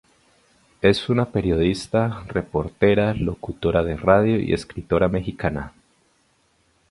Es una periodista, reportera, locutora de radio y escritora mexicana.